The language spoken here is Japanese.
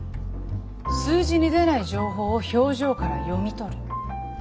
数字に出ない情報を表情から読み取る。